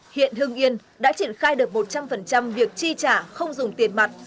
hiện hưng yên đã triển khai được một trăm linh việc chi trả không dùng tiền mặt